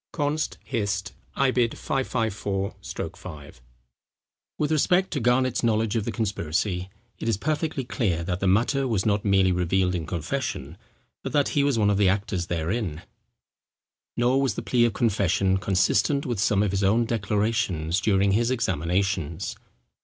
—Const. Hist. i. 554 5.] With respect to Garnet's knowledge of the conspiracy, it is perfectly clear that the matter was not merely revealed in confession, but that he was one of the actors therein. Nor was the plea of confession consistent with some of his own declarations during his examinations.